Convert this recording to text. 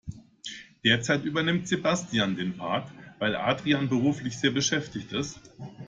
Derzeit übernimmt Sebastian den Part, weil Adrian beruflich sehr beschäftigt ist.